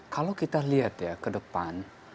kalau kita lihat ya kedepan